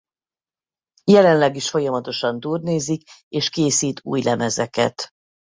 Jelenleg is folyamatosan turnézik és készít új lemezeket.